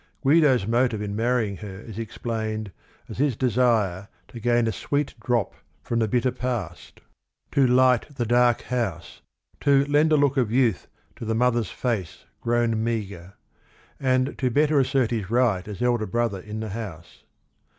Guido's motive in marrying her is explained as his desire to gain a "sweet drop from the bitter Past," "to THE OTHER HALF ROME 29 light the dark house," to "lend a look of youth to the mother's face grown meagre," and to better assert his right as elder brother in the home.